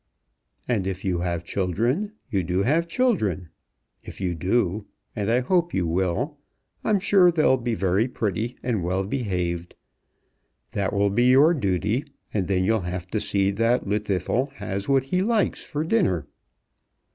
"And if you have children, you do have children. If you do, and I hope you will, I'm sure they'll be very pretty and well behaved. That will be your duty, and then you'll have to see that Llwddythlw has what he likes for dinner."